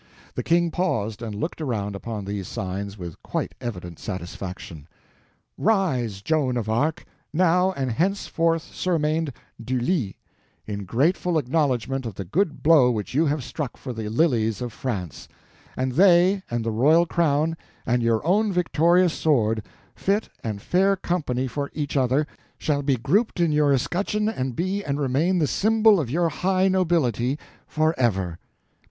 The King paused and looked around upon these signs with quite evident satisfaction.] "Rise, Joan of Arc, now and henceforth surnamed Du Lis, in grateful acknowledgment of the good blow which you have struck for the lilies of France; and they, and the royal crown, and your own victorious sword, fit and fair company for each other, shall be grouped in you escutcheon and be and remain the symbol of your high nobility forever."